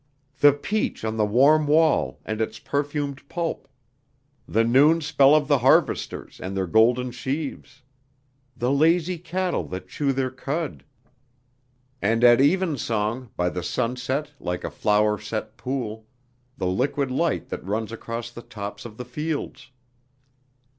"The peach on the warm wall and its perfumed pulp...." "The noon spell of the harvesters and their golden sheaves...." "The lazy cattle that chew their cud...." "And at evensong, by the sunset like a flowerset pool, the liquid light that runs across the tops of the fields...."